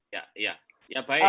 ya ya ya baik